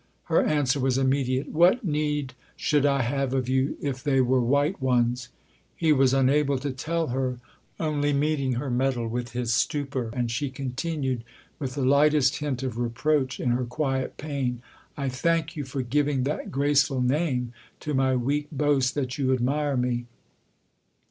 Her answer was immediate. " What need should I THE OTHER HOUSE 277 have of you if they were white ones ?" He was unable to tell her, only meeting her mettle with his stupor, and she continued, with the lightest hint of reproach in her quiet pain : "I thank you for giving that graceful name to my weak boast that you admire me."